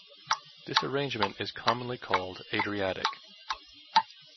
This arrangement is commonly called Adriatic.